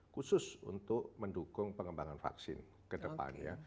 khusus untuk mendukung pengembangan vaksin ke depannya